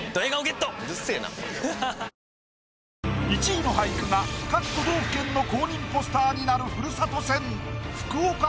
１位の俳句が各都道府県の公認ポスターになるふるさと戦。